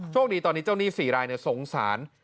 คดีตอนนี้เจ้าหนี้๔รายสงสาร